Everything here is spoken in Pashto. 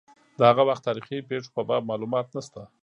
د هغه وخت تاریخي پېښو په باب معلومات نشته.